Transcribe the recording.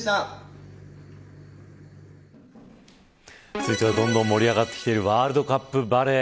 続いてはどんどん盛り上がってきているワールドカップバレー。